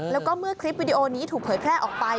แล้วก็เมื่อคลิปวิดีโอนี้ถูกเผยแพร่ออกไป